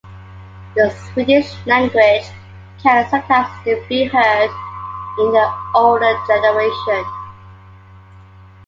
The Swedish language can sometimes still be heard in the older generation.